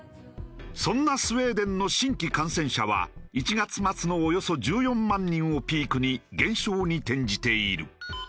そんなスウェーデンの新規感染者は１月末のおよそ１４万人をピークに減少に転じている。